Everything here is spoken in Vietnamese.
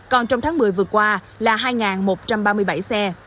còn trong tháng một mươi vừa qua là hai một trăm ba mươi bảy xe